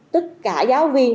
tất cả giáo viên